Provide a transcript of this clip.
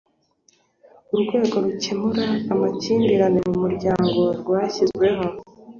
urwego rukemura amakimbirane mu muryango rwashyizweho